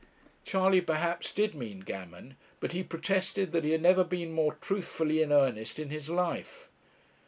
Charley, perhaps, did mean gammon; but he protested that he had never been more truthfully in earnest in his life.